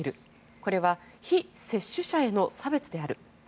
これは非接種者への差別である。